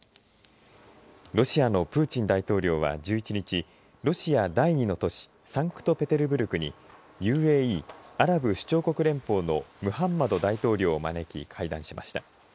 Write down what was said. ロシアのプーチン大統領は１１日ロシア第２の都市サンクトペテルブルクにＵＡＥ、アラブ首長国連邦のムハンマド大統領を招き会談しました。